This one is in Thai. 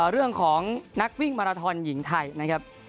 เรื่องของนักวิ่งมาราทอนหญิงไทยนะครับ